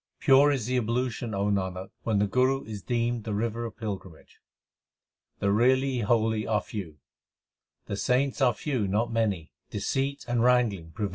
Pure is the ablution, O Nanak, when the Guru is deemed the river of pilgrimage. The really holy are few : The saints are few, not many ; deceit and wrangling prevail in the world.